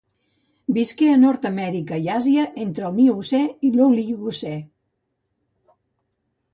Visqué a Nord-Amèrica i Àsia entre el Miocè i l'Oligocè.